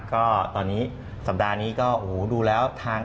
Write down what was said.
ก็ตอนนี้สัปดาห์นี้ก็โอ้โหดูแล้วทาง